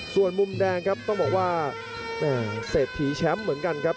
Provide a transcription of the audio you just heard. ส่วนมุมแดงครับต้องบอกว่าเศรษฐีแชมป์เหมือนกันครับ